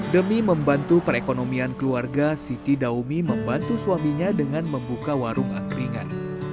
demi membantu perekonomian keluarga siti daumi membantu suaminya dengan membuka warung angkringan